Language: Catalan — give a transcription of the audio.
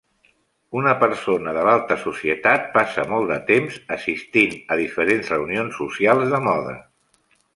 Una persona de l'alta societat passa molt de temps assistint a diferents reunions socials de moda.